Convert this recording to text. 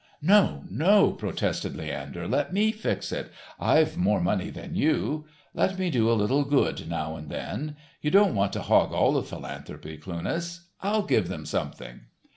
"No, no," protested Leander. "Let me fix it, I've more money than you. Let me do a little good now and then. You don't want to hog all the philanthropy, Cluness, I'll give 'em something.